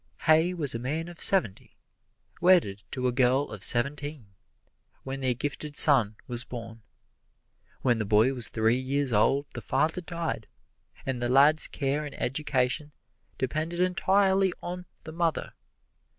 Heih was a man of seventy, wedded to a girl of seventeen, when their gifted son was born. When the boy was three years old the father died, and the lad's care and education depended entirely on the mother.